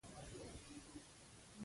علم د چا اجاره نه ده.